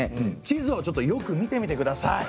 地図をよく見てみてください。